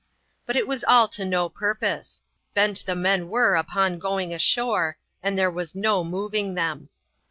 But it was all to no purpose ; bent the men were upon going ashore, and there was no moving them.